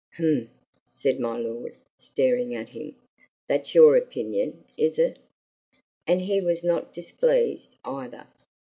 "Humph!" said my lord, staring at him. "That's your opinion, is it?" And he was not displeased either.